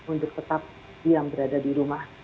untuk tetap diam berada di rumah